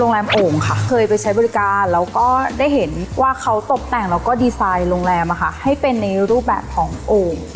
แรมโอ่งค่ะเคยไปใช้บริการแล้วก็ได้เห็นว่าเขาตกแต่งแล้วก็ดีไซน์โรงแรมให้เป็นในรูปแบบของโอ่ง